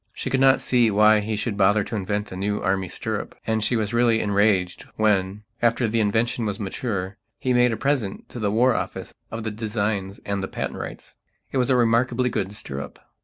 She could not see why he should bother to invent a new Army stirrup, and she was really enraged when, after the invention was mature, he made a present to the War Office of the designs and the patent rights. It was a remarkably good stirrup.